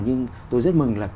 nhưng tôi rất mừng là